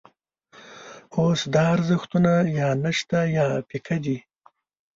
اوس دا ارزښتونه یا نشته یا پیکه دي.